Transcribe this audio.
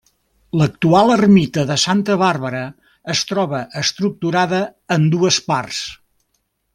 L'actual ermita de Santa Bàrbara es troba estructurada en dues parts.